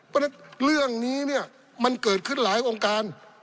เพราะฉะนั้นเรื่องนี้เนี่ยมันเกิดขึ้นหลายองค์การ